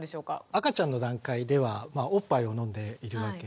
赤ちゃんの段階ではおっぱいを飲んでいるわけです。